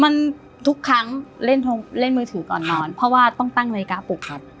มันทุกครั้งเล่นมือถือก่อนนอนเพราะว่าต้องตั้งนาฬิกาปลุกครับ